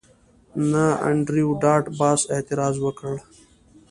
نه انډریو ډاټ باس اعتراض وکړ